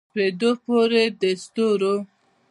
تر سپیدو پوري د ستورو